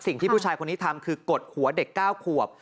สิ่งที่ผู้ชายคนนี้ทำคือกดหัวเด็ก๙ขวบ